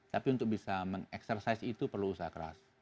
tapi untuk bisa mengeksersai itu perlu usaha keras